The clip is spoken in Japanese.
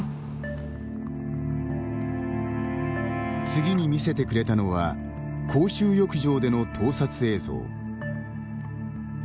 次に見せてくれたのは公衆浴場での盗撮映像。